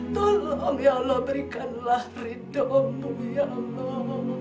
tolong ya allah berikanlah ridomu ya allah